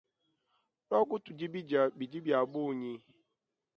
Luaku tudia bidia bidi biabunyi.